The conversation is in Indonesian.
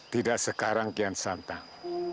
tidak sekarang kian santang